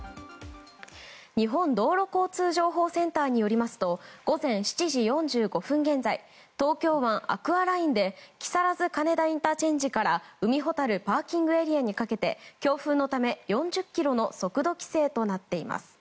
日本道路交通情報センターによりますと午前７時４５分現在東京湾アクアラインで木更津金田ＩＣから海ほたるＰＡにかけて強風のため４０キロの速度規制となっています。